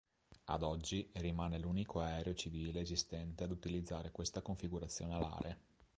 Ad oggi, rimane l'unico aereo civile esistente ad utilizzare questa configurazione alare.